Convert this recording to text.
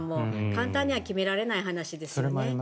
簡単には決められない話ですね。